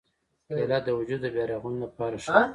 کېله د وجود د بیا رغونې لپاره ښه ده.